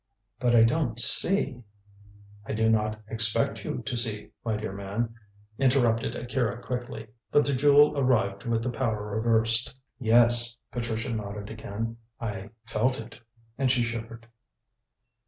"But I don't see " "I do not expect you to see, my dear man," interrupted Akira quickly; "but the jewel arrived with the power reversed." "Yes," Patricia nodded again. "I felt it," and she shivered.